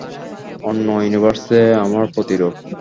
অন্য ইউনিভার্সে আমার প্রতিরূপ।